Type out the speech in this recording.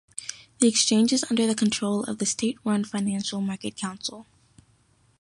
The exchange is under the control of the state-run Financial Market Council.